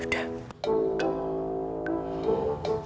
kita harus cari pengacara paman